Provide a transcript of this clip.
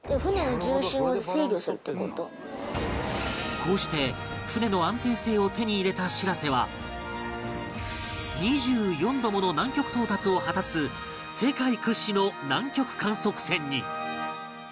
こうして船の安定性を手に入れたしらせは２４度もの南極到達を果たす世界屈指の南極観測船に